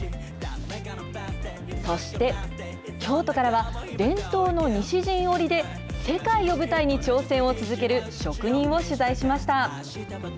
そして、京都からは、伝統の西陣織で、世界を舞台に挑戦を続ける職人を取材しました。